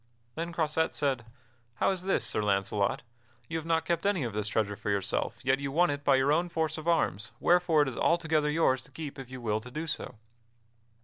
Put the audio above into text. Then Croisette said: "How is this, Sir Launcelot? You have not kept any of this treasure for yourself, yet you won it by your own force of arms, wherefore it is altogether yours to keep if you will to do so."